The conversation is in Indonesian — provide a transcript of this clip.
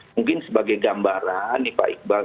mungkin sebagai gambaran nih pak iqbal